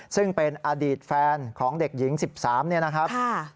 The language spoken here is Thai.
ซึ่งเป็นอดีตแฟนของเด็กหญิง๑๓เนี่ยนะครับ